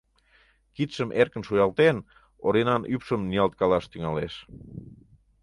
Кидшым эркын шуялтен, Оринан ӱпшым ниялткалаш тӱҥалеш.